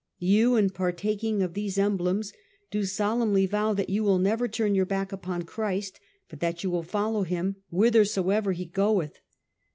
You, in partaking of these emblems, do solemnly vow that you will never turn your back upon Christ, but that you will follow him wliithersoever he goeth.